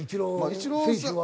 イチロー選手は。